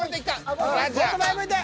もっと前向いて。